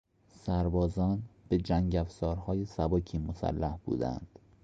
سربازان به جنگ افزارهای سبکی مسلح بودند.